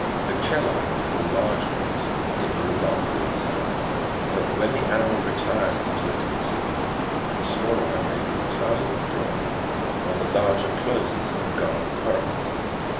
The chelce, or large claws, differ remarkably in size; so that, when the animal retires into its concealment, the smaller one may be entirely withdrawn, while the larger closes and guards the orifice.